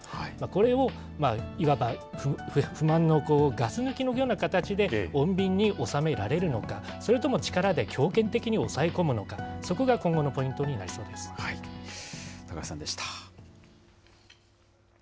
これをいわば不満のガス抜きのような形で穏便に収められるのか、それとも力で強権的に抑え込むのか、そこが今後のポイントになり高橋さんでした。